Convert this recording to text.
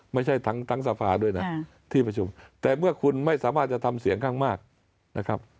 ไม่ใช่ทั้งสภาด้วยนะที่ประชุมแต่เมื่อคุณไม่สามารถจะทำเสียงข้างมากนะครับ